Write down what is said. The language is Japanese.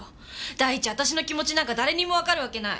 第一私の気持ちなんか誰にもわかるわけない。